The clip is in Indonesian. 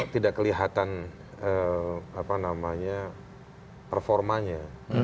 tidak kelihatan apa namanya performanya